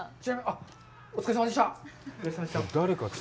お疲れさまでした。